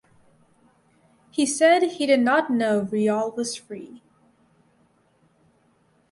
He said he did not know Ryal was free.